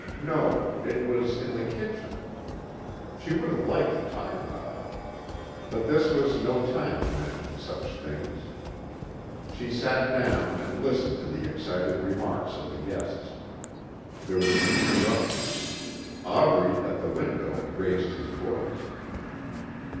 No, it was in the kitchen. She would have liked to talk about it. But this was no time to mention such things. She sat down and listened to the excited remarks of the guests. There was an interruption. Aubrey, at the window, raised his voice.